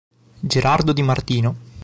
Gerardo Di Martino